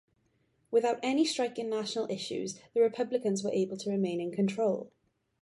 Without any striking national issues, the Republicans were able to remain in control.